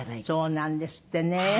そうなんですってね。